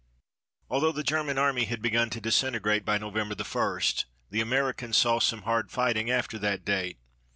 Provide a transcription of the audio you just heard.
Although the German Army had begun to disintegrate by November 1, the Americans saw some hard fighting after that date.